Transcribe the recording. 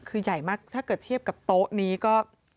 คือใหญ่มากถ้าเกิดเทียบกับโต๊ะนี้ก็